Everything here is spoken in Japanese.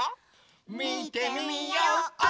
みてみよう！